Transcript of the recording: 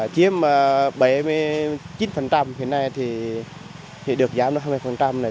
chiếm bảy mươi chín hiện nay thì được giám được hai mươi này